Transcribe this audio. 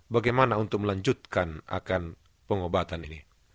bagaimana untuk melanjutkan akan pengobatan ini